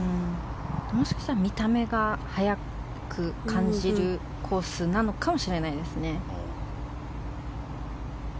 もしかしたら見た目が速く感じるコースなのかもしれないですね。